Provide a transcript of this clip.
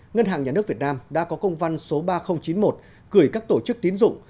ngân hàng nhà nước việt nam đã có công văn số ba nghìn chín mươi một gửi các tổ chức tín dụng